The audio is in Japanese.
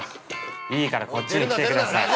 いいからこっちに来てください。